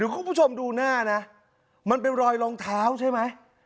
คุณผู้ชมดูหน้านะมันเป็นรอยรองเท้าใช่ไหม